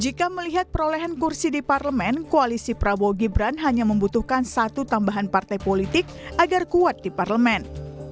jika melihat perolehan kursi di parlemen koalisi prabowo gibran hanya membutuhkan satu tambahan partai politik agar kuat di parlemen